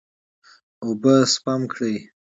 اوبه سپم کړئ.